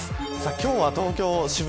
今日は東京、渋谷